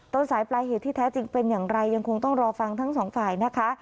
ต้นสายปลายเหตุที่แท้จริงเป็นอย่างไรยังคงต้องรอฟังทั้งสองฝ่ายนะคะ